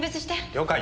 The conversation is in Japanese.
了解。